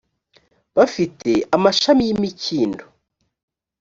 bafite amashami y imikindo